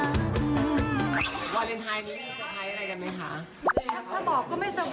วันพอได้กลัว